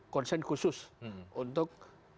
konsen khusus untuk